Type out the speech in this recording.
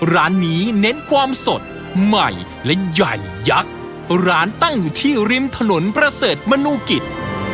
ร้านนี้เน้นความสดใหม่และใหญ่ยักษ์ร้านตั้งอยู่ที่ริมถนนประเสริฐมนูกิจ